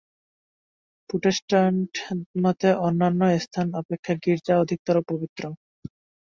প্রোটেস্টাণ্টদের মতে অন্যান্য স্থান অপেক্ষা গির্জা অধিকতর পবিত্র।